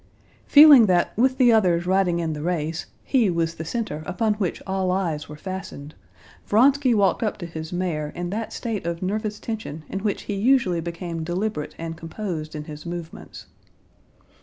Feeling that with the others riding in the race, he was the center upon which all eyes were fastened, Vronsky walked up to his mare in that state of nervous tension in which he usually became deliberate and composed in his movements.